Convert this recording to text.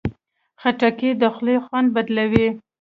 خټکی د خولې خوند بدلوي.